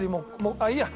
あっいいや。